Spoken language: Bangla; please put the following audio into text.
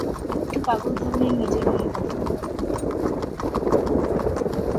একটু পাগল ধরনের নিজের মনে কথা বলে।